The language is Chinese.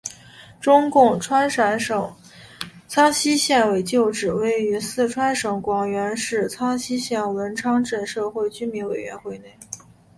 中共川陕省苍溪县委旧址位于四川省广元市苍溪县文昌镇社区居委会内。